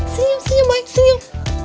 senyum senyum boy senyum